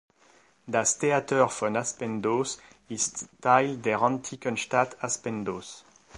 Das Theater von Aspendos ist Teil der antiken Stadt Aspendos.